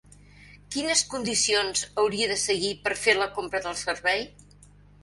Quines condicions hauria de seguir per fer la compra del servei?